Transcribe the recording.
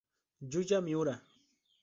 Yuya Miura